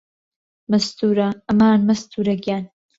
مەستوورە ئەمان مەستوورە گیان